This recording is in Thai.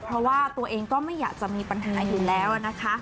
เพราะว่าตัวเองก็ไม่อยากจะมีปัญหาอยู่แล้วนะคะ